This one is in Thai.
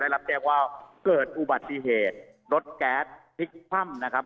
รับแจ้งว่าเกิดอุบัติเหตุรถแก๊สพลิกคว่ำนะครับ